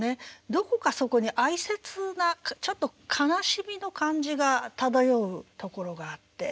どこかそこに哀切なちょっと悲しみの感じが漂うところがあって。